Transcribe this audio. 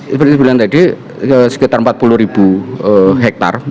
seperti yang dibilang tadi sekitar empat puluh ribu hektar